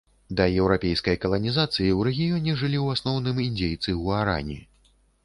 Да еўрапейскай каланізацыі ў рэгіёне жылі ў асноўным індзейцы гуарані.